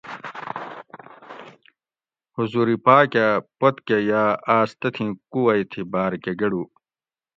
حضور پاٞک اٞ پت کٞہ یاٞ آٞس تتھیں کُووئی تھی باٞر کٞہ گٞڑو